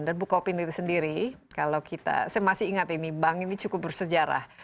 dan bukopin itu sendiri kalau kita saya masih ingat ini bank ini cukup bersejarah